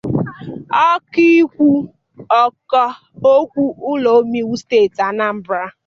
Ọkaokwu ụlọ omeiwu steeti Anambra